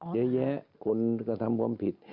เยอะแยะคนกระทำความผิด